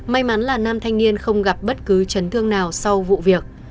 may mắn là nam thanh niên không gặp bất cứ chấn thương nào sau vụ việc